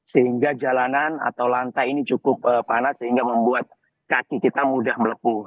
sehingga jalanan atau lantai ini cukup panas sehingga membuat kaki kita mudah melepuh